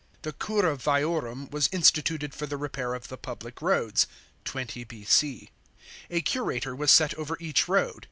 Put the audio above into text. The cura viarum was instituted for the repair of the public roads (20 B.C.). A curator was set over each road.